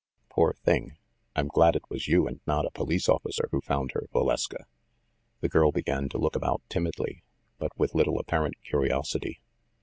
Poor thing! I'm glad it was you and not a police officer who found her, Valeska." The girl began to look about timidly, but with little apparent curiosity.